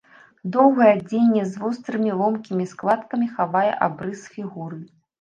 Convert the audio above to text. Доўгае адзенне з вострымі ломкімі складкамі хавае абрыс фігуры.